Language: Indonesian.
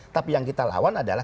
tapi yang kita lawan adalah